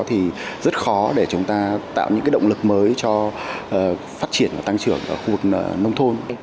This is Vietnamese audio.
thì rất khó để chúng ta tạo những động lực mới cho phát triển và tăng trưởng ở khu vực nông thôn